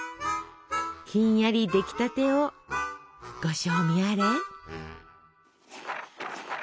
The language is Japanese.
ひんやり出来たてをご賞味あれ！